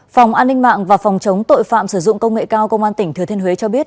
phòng an ninh mạng và phòng chống tội phạm sử dụng công nghệ cao công an tỉnh thừa thiên huế cho biết